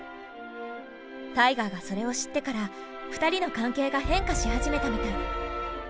タイガーがそれを知ってから２人の関係が変化し始めたみたい。